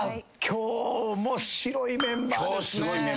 今日すごいメンバーですね。